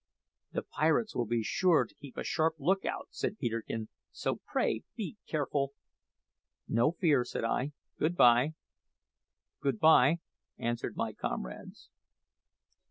"The pirates will be sure to keep a sharp lookout," said Peterkin; "so, pray, be careful." "No fear," said I. "Good bye." "Good bye," answered my comrades.